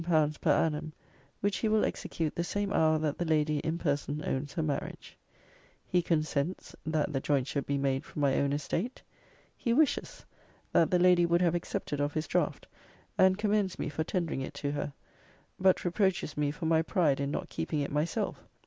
per annum: which he will execute the same hour that the lady in person owns her marriage.' He consents, 'that the jointure be made from my own estate.' He wishes, 'that the Lady would have accepted of his draught; and commends me for tendering it to her. But reproaches me for my pride in not keeping it myself.